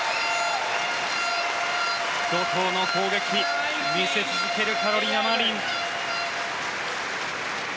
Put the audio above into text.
怒涛の攻撃を見せ続けるカロリナ・マリン。